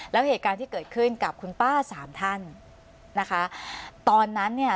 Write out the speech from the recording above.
แล้วเหตุการณ์ที่เกิดขึ้นกับคุณป้าสามท่านนะคะตอนนั้นเนี่ย